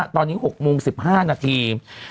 ตอนนี้๖โมง๑๕นาที